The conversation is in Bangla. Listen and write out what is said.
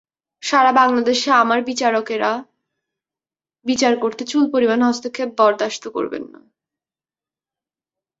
সারা বাংলাদেশে আমার বিচারকেরা বিচার করতে চুল পরিমাণ হস্তক্ষেপ বরদাশত করবেন না।